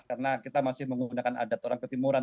karena kita masih menggunakan adat orang ketimuran